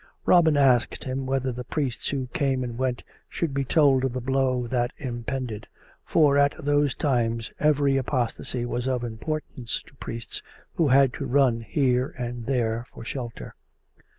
Robin asked him whether the priests who came and went should be told of the blow that impended; for at those times every apostasy was of importance to priests who had to run here and there for shelter.